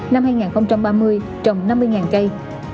năm hai nghìn ba mươi trồng năm mươi cây